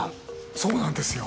そうなんですよ